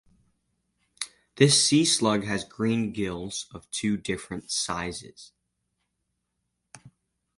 This sea slug has green gills of two different sizes.